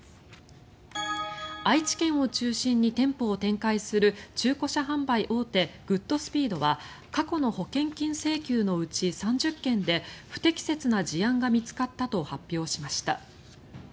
愛知県を中心に店舗を展開する中古車販売大手グッドスピードは過去の保険金請求のうち３０件で不適切な事案が見つかったと発表しました。